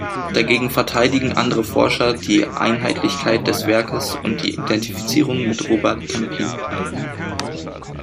Dagegen verteidigen andere Forscher die Einheitlichkeit des Werkes und die Identifizierung mit Robert Campin.